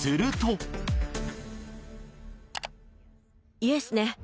イエスね。